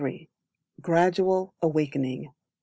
Gradual Awakening.